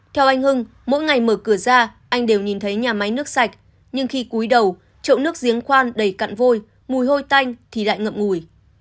theo anh hưng mỗi ngày mở cửa ra anh đều nhìn thấy nhà máy nước sạch nhưng khi cuối đầu chỗ nước giếng khoan đầy cặn vôi mùi hôi tanh thì lại ngậm ngùi